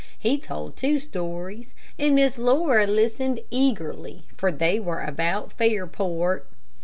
He told two stories, and Miss Laura listened eagerly, for they were about Fairport.